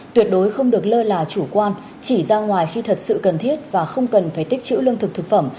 tuyệt đối không được lơ là chủ quan chỉ ra ngoài khi thật sự cần thiết và không cần phải tích chữ lương thực thực phẩm